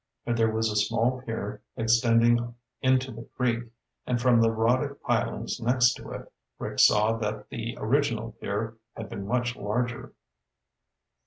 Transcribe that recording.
There was a small pier extending into the creek, and from the rotted pilings next to it, Rick saw that the original pier had been much larger.